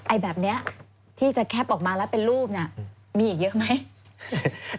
แบบนี้ที่จะแคปออกมาแล้วเป็นรูปเนี่ยมีอีกเยอะไหม